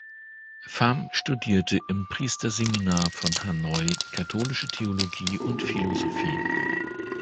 Phạm studierte im Priesterseminar von Hanoi Katholische Theologie und Philosophie.